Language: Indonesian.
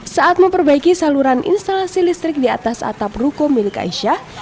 saat memperbaiki saluran instalasi listrik di atas atap ruko milik aisyah